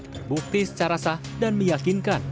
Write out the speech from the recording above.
terbukti secara sah dan meyakinkan